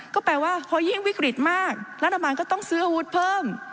ก็แปลว่าพอยิ่งวิกฤตมากรัฐบาลก็ต้องซื้ออาวุธเพิ่ม